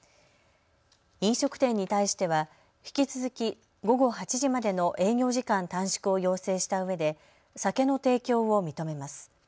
飲食店に対しては引き続き午後８時までの営業時間短縮を要請したうえで酒の提供を認めます。